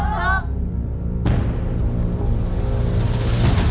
ครบ